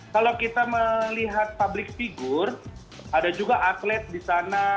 kalau kita melihat public figure ada juga atlet di sana